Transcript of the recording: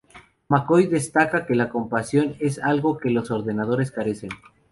McCoy destaca que la compasión es algo de que los ordenadores carecen.